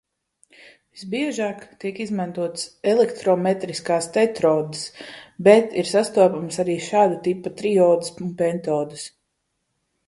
Visbiežāk tiek izmantotas elektrometriskās tetrodes, bet ir sastopamas arī šāda tipa triodes un pentodes.